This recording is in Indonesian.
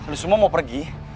lu semua mau pergi